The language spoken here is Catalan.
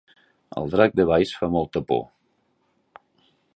El drac de Valls fa molta por